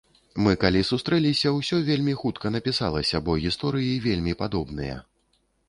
Мы калі сустрэліся, усё вельмі хутка напісалася, бо гісторыі вельмі падобныя.